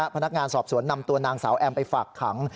พนักงานสอบสวนนำตัวนางสาวแอมไปฝากขัง